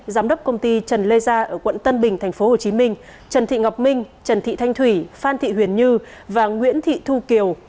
giám đốc công ty trần lê gia ở quận tân bình tp hcm trần thị ngọc minh trần thị thanh thủy phan thị huyền như và nguyễn thị thu kiều